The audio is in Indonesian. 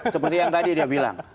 seperti yang tadi dia bilang